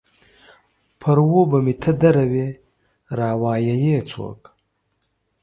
پر و به مې ته دروې ، را وا يي يې څوک؟